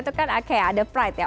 itu kan oke ada pride ya